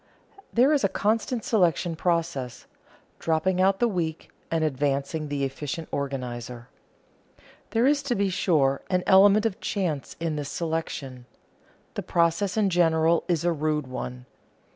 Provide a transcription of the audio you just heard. There is a constant selective process: dropping out the weak and advancing the efficient organizer. There is, to be sure, an element of chance in this selection. The process in general is a rude one.